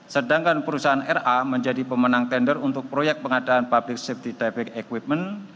sedangkan perusahaan ra menjadi pemenang tender untuk proyek pengadaan public safety divic equipment